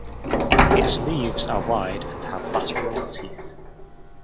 Its leaves are wide and have lateral teeth.